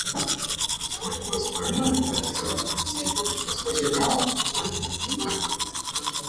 Dolls Point was originally a deserted landscape, which was considered uninhabitable.